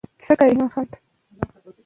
د ناروغانو خیال ساتئ.